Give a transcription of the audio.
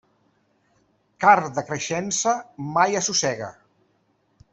Carn de creixença mai assossega.